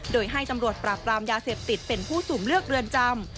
โดยให้ตำรวจปราบรามยาเสพติดเป็นผู้สุ่มเลือกเรือนจำ